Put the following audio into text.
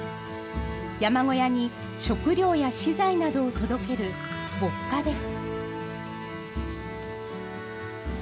山小屋に食料や資材などを届ける歩荷です。